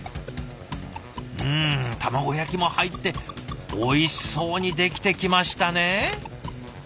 うん卵焼きも入っておいしそうに出来てきましたね。